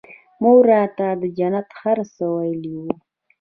مور راته د جنت هر څه ويلي وو.